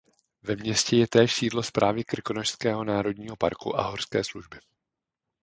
Ve městě je též sídlo Správy Krkonošského národního parku a horské služby.